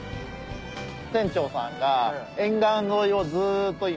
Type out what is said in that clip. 船長さんが沿岸沿いをずっと今。